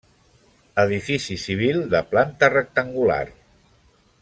Edifici civil de planta rectangular.